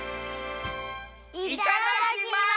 いただきます！